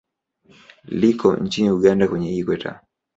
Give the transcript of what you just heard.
Liko nchini Uganda kwenye Ikweta.